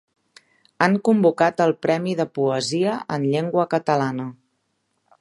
Han convocat el premi de poesia en llengua catalana.